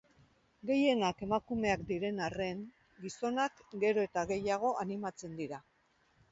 Gehienak emakumeak diren arren, gizonak gero eta gehiago animatzen dira.